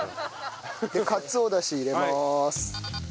かつおダシ入れます。